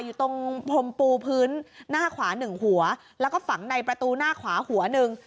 อยู่ตรงพรมปูพื้นหน้าขวาหนึ่งหัวแล้วก็ฝังในประตูหน้าขวาหัวหนึ่ง